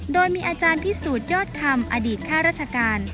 โดยมีอาจารย์พิสูจน์ยอดคำอดีตข้าราชการ